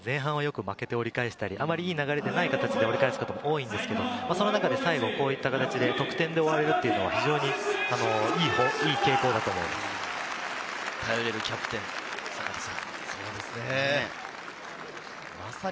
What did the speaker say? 基本的にワイルドナイツは前半によく負けて折り返したり、たまにいい流れでない形で折り返すことが多いんですけど、その中で最後こういった形で、得点で終われるっていうのは、非常にいい傾頼れるキャプテン、坂手さん。